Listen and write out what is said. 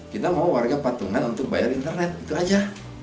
kita mau warga patungan untuk bayar internet itu aja